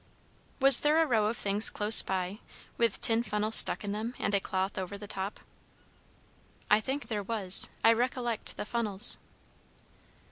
"Was there a row of things close by, with tin funnels stuck in them and a cloth over the top?" "I think there was. I recollect the funnels."